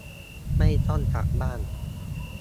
ไม่ต้องกลับบ้าน